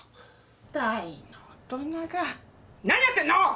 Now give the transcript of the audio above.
大の大人が何やってんの！